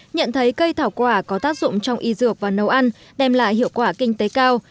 nhận thấy cây thảo quả có tác dụng trong y dược và nấu ăn đem lại hiệu quả kinh tế cao